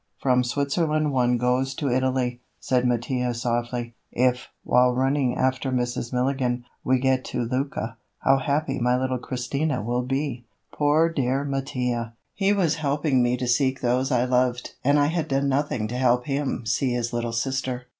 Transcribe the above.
"From Switzerland one goes to Italy," said Mattia softly. "If, while running after Mrs. Milligan, we get to Lucca, how happy my little Christina will be." Poor dear Mattia! He was helping me to seek those I loved and I had done nothing to help him see his little sister.